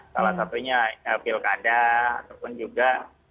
salah satunya pilkada ataupun juga